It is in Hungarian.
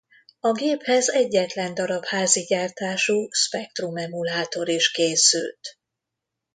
A géphez egyetlen darab házi gyártású Spectrum emulátor is készült.